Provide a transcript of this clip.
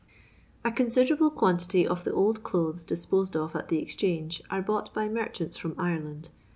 A OONSIDBRABLB quantity of the old clothes dis posed of at the Bxchange are bought by mer chants from Ireland.